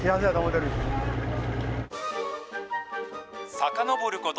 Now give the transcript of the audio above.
さかのぼること